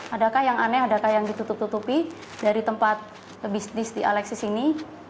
adakah yang aneh adakah yang ditutup tutupi dari tempat bisnis di alexis ini